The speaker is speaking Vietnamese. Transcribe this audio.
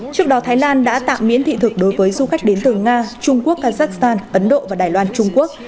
trước đó thái lan đã tạm miễn thị thực đối với du khách đến từ nga trung quốc kazakhstan ấn độ và đài loan trung quốc